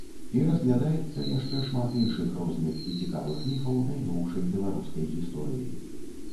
І разглядаецца яшчэ шмат іншых розных і цікавых міфаў найноўшай беларускай гісторыі.